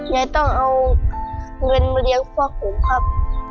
ยายต้องเอาเงินมาเลี้ยงพวกผมครับ